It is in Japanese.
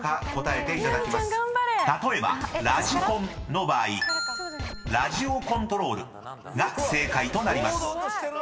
［例えばラジコンの場合「ラジオコントロール」が正解となります］